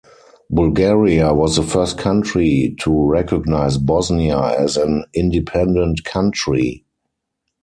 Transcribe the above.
Bulgaria was the first country to recognize Bosnia as an independent country.